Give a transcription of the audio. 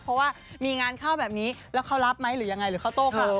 เพราะว่ามีงานเข้าแบบนี้แล้วเขารับไหมหรือยังไงหรือเขาโต้กลับ